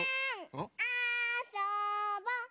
あそぼ！